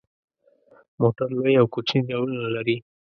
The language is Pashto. موټر لوی او کوچني ډولونه لري.